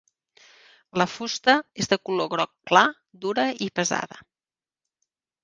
La fusta és de color groc clar, dura i pesada.